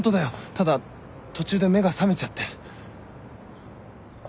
ただ途中で目が覚めちゃって。